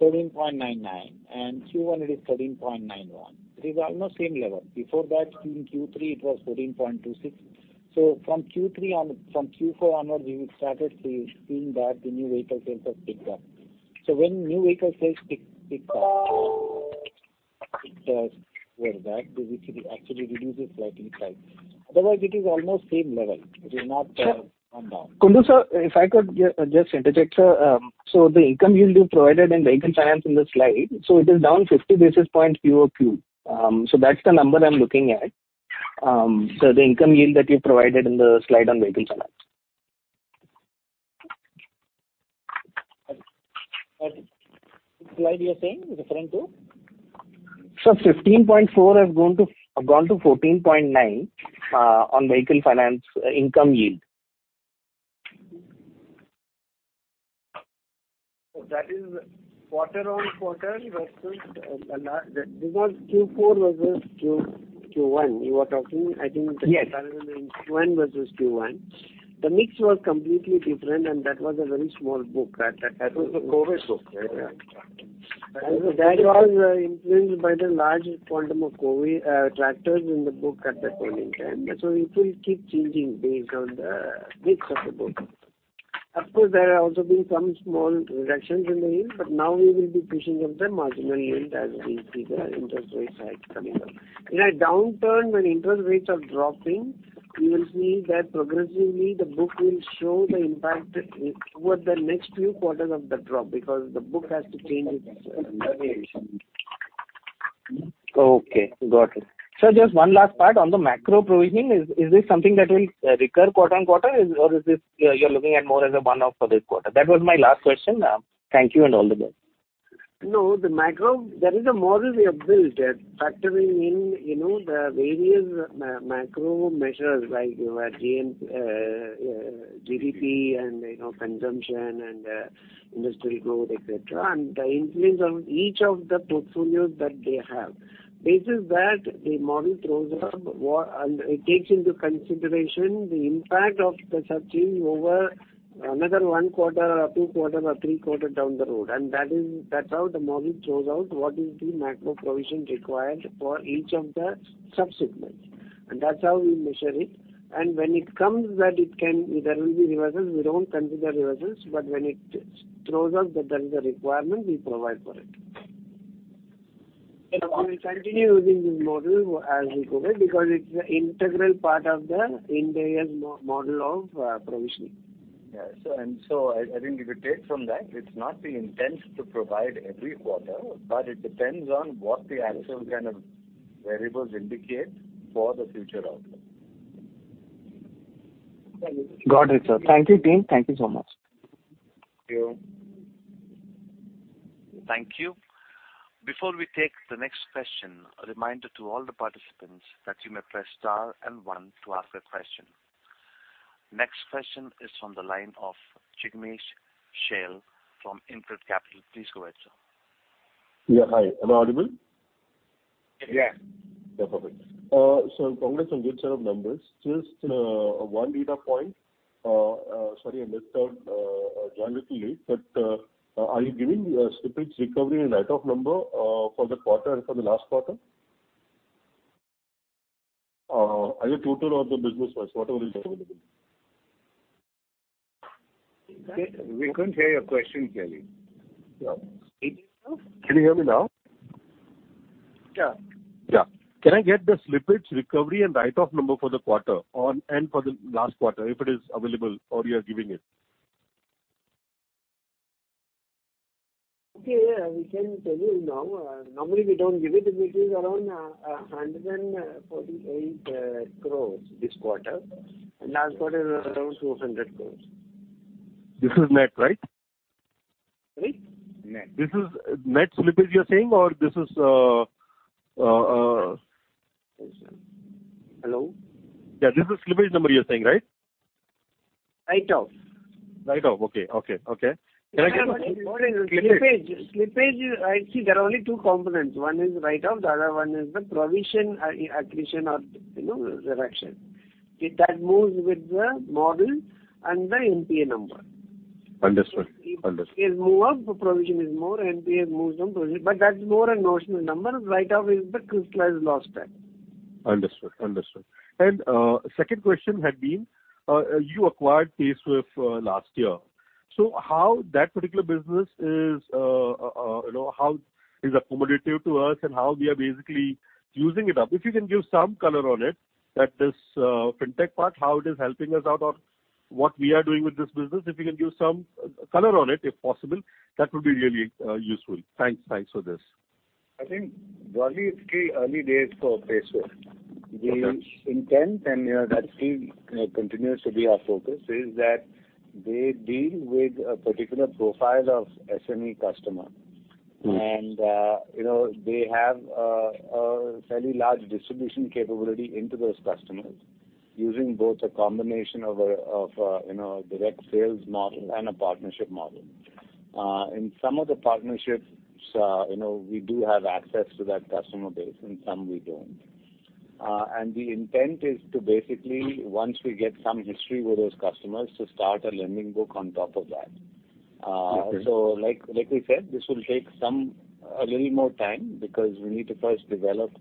13.99 and Q1 it is 13.91. It is almost same level. Before that in Q3 it was 14.26. From Q4 onward we started seeing that the new vehicle sales have picked up. When new vehicle sales pick up it does go back. This actually reduces slightly price. Otherwise it is almost same level. It is not come down. Kundu, sir, if I could just interject, sir. The income yield you've provided in the Vehicle Finance in the slide. It is down 50 basis points QoQ. That's the number I'm looking at. The income yield that you've provided in the slide on Vehicle Finance. Which slide are you referring to? Sir, 15.4% have gone to 14.9% on vehicle finance income yield. This was Q4 versus Q1. You are talking, I think- Yes. Q1 versus Q1. The mix was completely different and that was a very small book. That was the COVID book. That was influenced by the large quantum of COVID tractors in the book at that point in time. It will keep changing based on the mix of the book. Of course, there have also been some small reductions in the yield, but now we will be pushing up the marginal yield as we see the interest rate hikes coming up. In a downturn when interest rates are dropping, you will see that progressively the book will show the impact toward the next few quarters of the drop because the book has to change its composition. Okay. Got it. Sir, just one last part on the macro provisioning. Is this something that will recur quarter on quarter or is this you're looking at more as a one-off for this quarter? That was my last question. Thank you and all the best. No, the macro. There is a model we have built factoring in, you know, the various macro measures like your GNPA, GDP and, you know, consumption and industrial growth, et cetera, and the influence on each of the portfolios that they have. Based on that the model throws up, and it takes into consideration the impact of such things over the next one quarter or two quarters or three quarters down the road. That is how the model throws out what is the macro provision required for each of the sub-segments. That's how we measure it. When it comes that it can there will be reversals, we don't consider reversals, but when it throws up that there is a requirement, we provide for it. We will continue using this model as we go because it's an integral part of the Indian model of provisioning. I think if you take from that, it's not the intent to provide every quarter, but it depends on what the actual kind of variables indicate for the future outlook. Thank you. Got it, sir. Thank you, team. Thank you so much. Thank you. Thank you. Before we take the next question, a reminder to all the participants that you may press star and one to ask a question. Next question is from the line of Jignesh Shial from InCred Capital. Please go ahead, sir. Yeah. Hi. Am I audible? Yeah. Yeah. Perfect. Congrats on good set of numbers. Just one data point, sorry I missed out joining little late, but are you giving slippage recovery and write-off number for the quarter and for the last quarter? Either total or the business-wise, whatever is available. We couldn't hear your question clearly. Can you hear me now? Yeah. Yeah. Can I get the slippage recovery and write-off number for the quarter, and for the last quarter, if it is available or you are giving it? Okay. Yeah. We can tell you now. Normally we don't give it. It is around 148 crore this quarter. Last quarter it was around 200 crore. This is net, right? Sorry? Net. This is net slippage you're saying or this is? Hello? Yeah. This is slippage number you're saying, right? Write-off. Write-off. Okay. Can I get? What is slippage? Slippage is. See, there are only two components. One is write-off, the other one is the provision accretion or, you know, reduction. That moves with the model and the NPA number. Understood. NPA move up, the provision is more. NPA moves down, provision. That's more a notional number. Write-off is the crystallized loss then. Understood. Second question had been you acquired PaySwiff last year. So how that particular business is, you know, how is accommodative to us and how we are basically using it up? If you can give some color on it, fintech part, how it is helping us out or what we are doing with this business. If you can give some color on it, if possible, that would be really useful. Thanks for this. I think broadly it's still early days for PaySwiff. Okay. The intent and, you know, that still, you know, continues to be our focus is that they deal with a particular profile of SME customer. Mm-hmm. They have a fairly large distribution capability into those customers using both a combination of a direct sales model and a partnership model. You know, in some of the partnerships, we do have access to that customer base, in some we don't. The intent is to basically, once we get some history with those customers, to start a lending book on top of that. Okay. Like we said, this will take a little more time because we need to first develop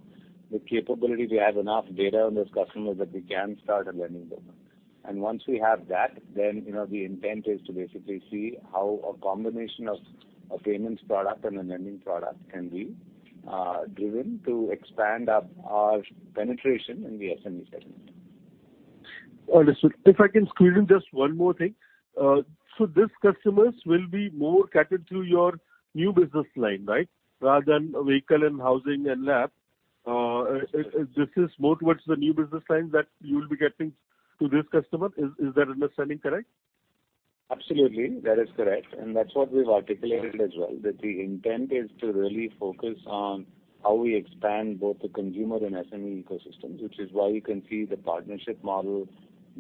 the capability to have enough data on those customers that we can start a lending book. Once we have that, then you know, the intent is to basically see how a combination of a payments product and a lending product can be driven to expand our penetration in the SME segment. Understood. If I can squeeze in just one more thing. These customers will be more catered through your new business line, right? Rather than Vehicle and Housing and LAP. This is more towards the new business line that you will be catering to this customer. Is that understanding correct? Absolutely. That is correct. That's what we've articulated as well, that the intent is to really focus on how we expand both the Consumer and SME ecosystems, which is why you can see the partnership model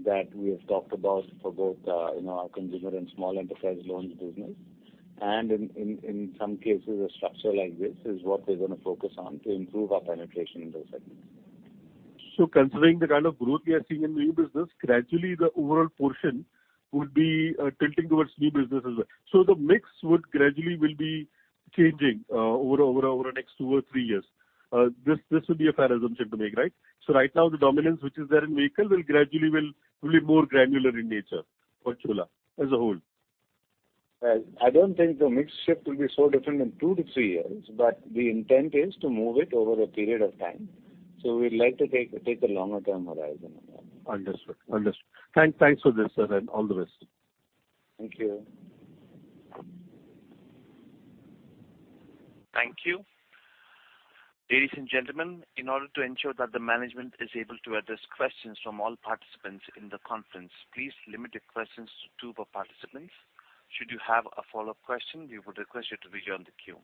that we have talked about for both, you know, our Consumer and Small Enterprises Loans business. In some cases, a structure like this is what we're gonna focus on to improve our penetration in those segments. Considering the kind of growth we are seeing in new business, gradually the overall portion would be tilting towards new business as well. The mix would gradually will be changing over the next two or three years. This would be a fair assumption to make, right? Right now the dominance which is there in vehicle will gradually will be more granular in nature for Chola as a whole. Well, I don't think the mix shift will be so different in 2-3 years, but the intent is to move it over a period of time. We'd like to take a longer term horizon on that. Understood. Thanks for this, sir, and all the best. Thank you. Thank you. Ladies and gentlemen, in order to ensure that the management is able to address questions from all participants in the conference, please limit your questions to two per participant. Should you have a follow-up question, we would request you to rejoin the queue.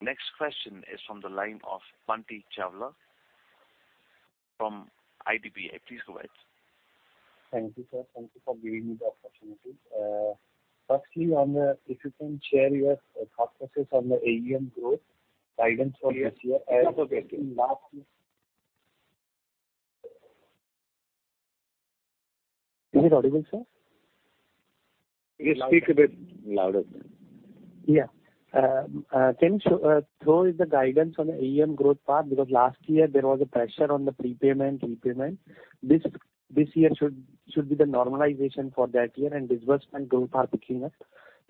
Next question is from the line of Bunty Chawla from IDBI. Please go ahead. Thank you, sir. Thank you for giving me the opportunity. Firstly, if you can share your thought process on the AUM growth guidance for this year as in last year. Is it audible, sir? Please speak a bit louder. Yeah. Can you throw in the guidance on the AUM growth path? Because last year there was a pressure on the prepayment, repayment. This year should be the normalization for that year and disbursement growth path picking up.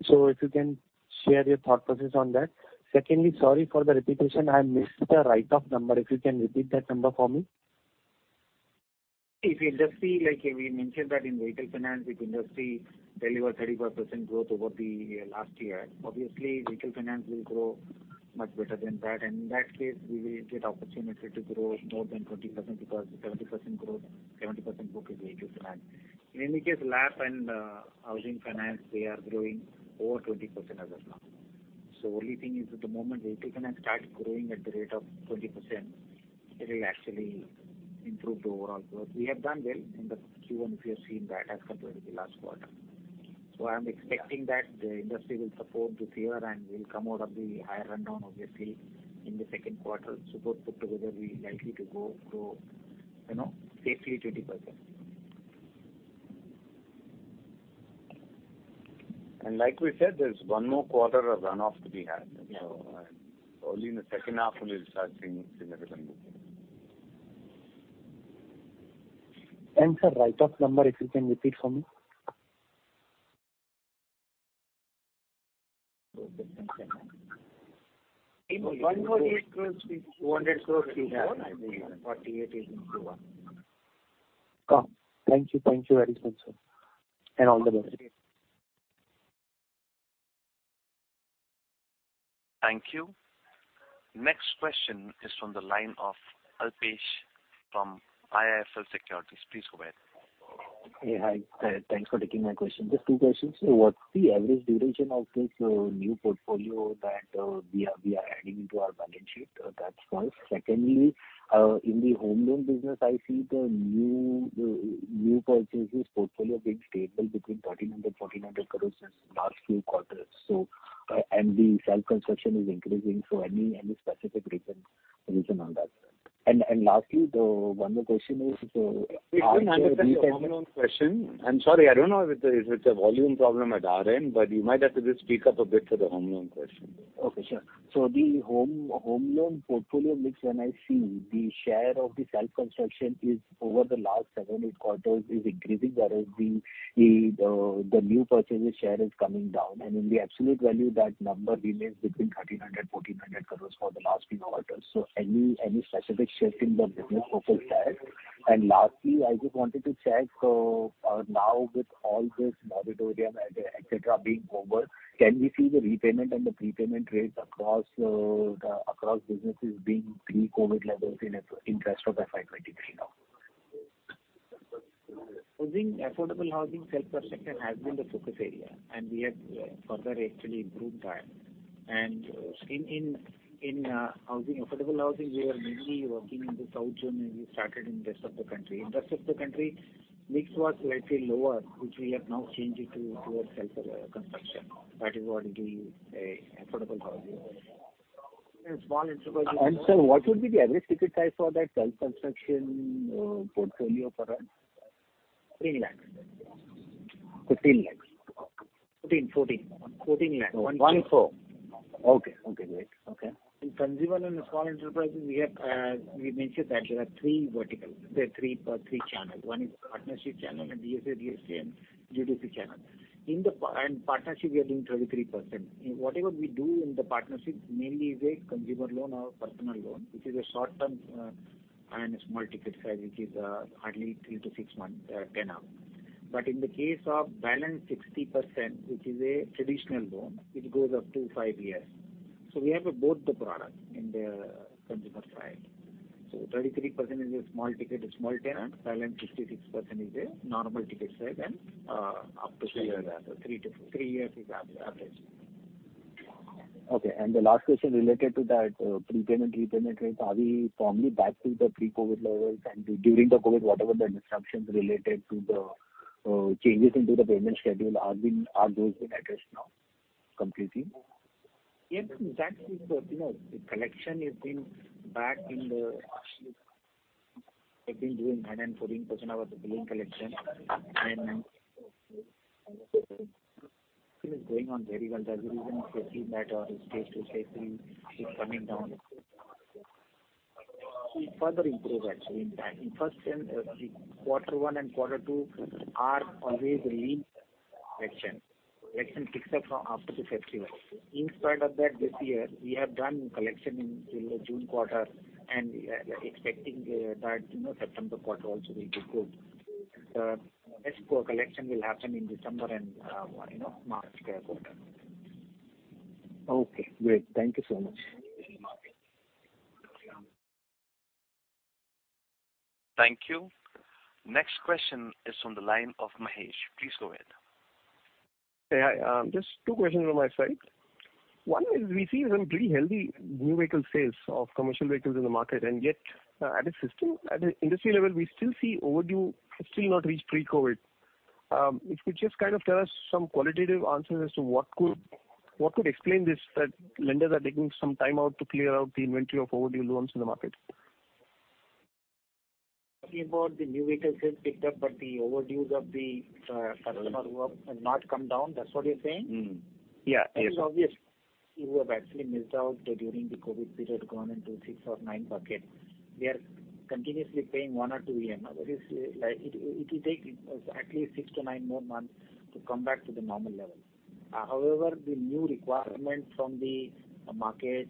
So if you can share your thought process on that. Secondly, sorry for the repetition. I missed the write-off number. If you can repeat that number for me. If you just see, like we mentioned that in vehicle finance, if industry delivered 34% growth over the last year, obviously vehicle finance will grow much better than that. In that case, we will get opportunity to grow more than 20% because 70% growth, 70% book is vehicle finance. In any case, LAP and housing finance, they are growing over 20% as of now. Only thing is at the moment, vehicle finance starts growing at the rate of 20%, it will actually improve the overall growth. We have done well in the Q1, if you have seen that, as compared to the last quarter. I'm expecting that the industry will support this year, and we'll come out of the higher rundown, obviously, in the second quarter. Both put together, we're likely to go grow, you know, safely 20%. Like we said, there's one more quarter of runoff to be had. Yeah. Only in the second half will we start seeing the revenue. Sir, write-off number, if you can repeat for me. 1 more year it will be INR 400 crore we have. 48 x 1. Thank you. Thank you very much, sir. All the best. Thank you. Next question is from the line of Alpesh from IIFL Securities. Please go ahead. Hey. Hi. Thanks for taking my question. Just two questions. What's the average duration of this new portfolio that we are adding into our balance sheet? That's one. Secondly, in the home loan business, I see the new purchases portfolio being stable between 1,300-1,400 crore since last few quarters. And the self-construction is increasing, so any specific reasons on that front? Lastly, one more question is, are- Can you repeat the home loan question? I'm sorry, I don't know if it's a volume problem at our end, but you might have to just speak up a bit for the home loan question. Okay, sure. The home loan portfolio mix when I see the share of the self-construction over the last 7-8 quarters is increasing whereas the new purchases share is coming down. In the absolute value that number remains between 1,300-1,400 crores for the last few quarters. Any specific shift in the business focus there? Lastly, I just wanted to check, now with all this moratorium, et cetera being over, can we see the repayment and the prepayment rates across businesses being pre-COVID levels in rest of FY 2023 now? Housing, affordable housing self-construction has been the focus area, and we have further actually improved that. In housing, affordable housing, we are mainly working in the South zone and we started in rest of the country. Rest of the country mix was slightly lower, which we have now changed it to towards self construction. That is what is affordable housing. Sir, what would be the average ticket size for that self-construction portfolio for us? 10 lakh. 15 lakhs. 14 lakhs. 14. Okay, great. In consumer and small enterprises, we mentioned that there are three verticals. There are three channels. One is partnership channel and DSA, DCA and GBP channel. In partnership we are doing 33%. In whatever we do in the partnerships mainly is a consumer loan or personal loan, which is a short-term and small ticket size, which is hardly 3-6 month tenure. In the case of balance 60%, which is a traditional loan, it goes up to 5 years. We have both the product in the consumer side. 33% is a small ticket, a small tenure. Balance 66% is a normal ticket size and up to 3 years, 3 years is average. Okay. The last question related to that, prepayment, repayment rates, are we fully back to the pre-COVID levels? During the COVID, whatever the disruptions related to the changes in the payment schedule, are those being addressed now completely? Yes. In that sense, you know, the collection has been back in the. Actually, we've been doing 9% and 14% of the billing collection. It is going on very well. There's a reason if you see that our Stage 2, Stage 3 is coming down. We further improved actually in that. In first semi, quarter one and quarter two are always lean collection. Collection picks up from after the February. In spite of that, this year we have done collection in the June quarter and we are expecting that, you know, September quarter also will be good. The next core collection will happen in December and March quarter. Okay, great. Thank you so much. You're welcome. Thank you. Next question is from the line of Mahesh. Please go ahead. Hey. Just two questions on my side. One is we see some pretty healthy new vehicle sales of commercial vehicles in the market, and yet, at an industry level, we still see overdues have not reached pre-COVID. If you just kind of tell us some qualitative answers as to what could explain this, that lenders are taking some time out to clear out the inventory of overdue loans in the market. Talking about the new vehicle sales picked up, but the overdues of the customer who have not come down, that's what you're saying? Yeah. It is obvious. You have actually missed out during the COVID period, gone into 6 or 9 bucket. They are continuously paying 1 or 2 EMIs. Now, that is, like, it will take at least 6-9 more months to come back to the normal level. However, the new requirement from the market,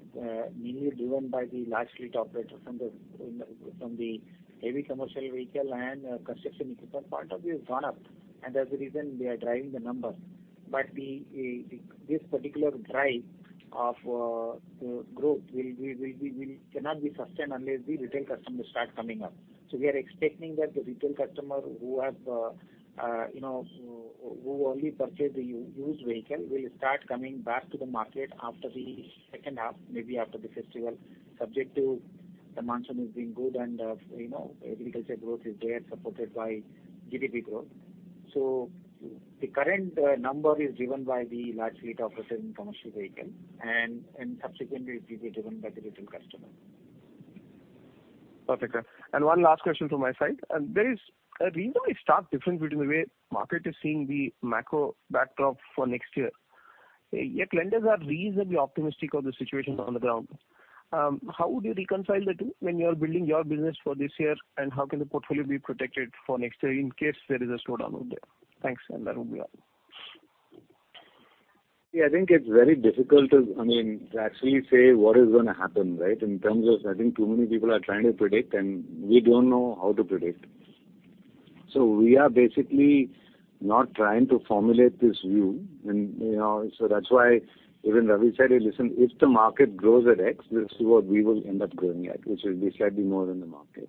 mainly driven by the large fleet operators from the heavy commercial vehicle and construction equipment part of it has gone up, and that's the reason they are driving the numbers. This particular drive of growth cannot be sustained unless the retail customers start coming up. We are expecting that the retail customer who have, you know, who only purchase the used vehicle will start coming back to the market after the second half, maybe after the festival, subject to the monsoon is being good and, you know, agriculture growth is there, supported by GDP growth. The current number is driven by the large fleet operators in commercial vehicle and subsequently it will be driven by the retail customer. Perfect, sir. One last question from my side. There is a reasonably stark difference between the way market is seeing the macro backdrop for next year, yet lenders are reasonably optimistic of the situation on the ground. How would you reconcile the two when you are building your business for this year, and how can the portfolio be protected for next year in case there is a slowdown out there? Thanks, and that will be all. Yeah, I think it's very difficult to, I mean, to actually say what is gonna happen, right? In terms of I think too many people are trying to predict, and we don't know how to predict. We are basically not trying to formulate this view and, you know, so that's why even Ravi said it. Listen, if the market grows at X, this is what we will end up growing at, which will be slightly more than the market.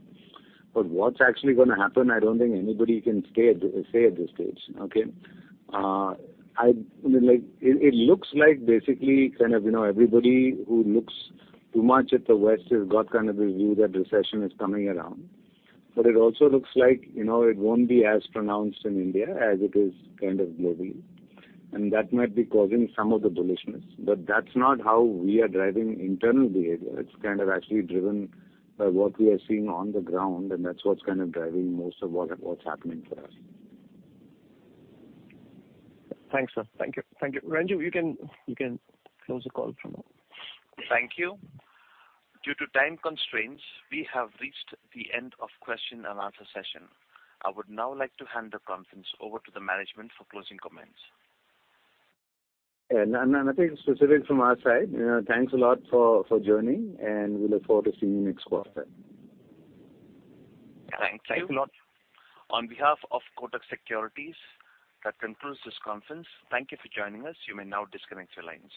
What's actually gonna happen, I don't think anybody can say at this stage. Like, it looks like basically kind of, you know, everybody who looks too much at the West has got kind of the view that recession is coming around. It also looks like, you know, it won't be as pronounced in India as it is kind of globally, and that might be causing some of the bullishness. That's not how we are driving internal behavior. It's kind of actually driven by what we are seeing on the ground, and that's what's kind of driving most of what's happening for us. Thanks, sir. Thank you. Renju, you can close the call for now. Thank you. Due to time constraints, we have reached the end of question and answer session. I would now like to hand the conference over to the management for closing comments. Nothing specific from our side. You know, thanks a lot for joining, and we look forward to seeing you next quarter. Thanks a lot. On behalf of Kotak Securities, that concludes this conference. Thank you for joining us. You may now disconnect your lines.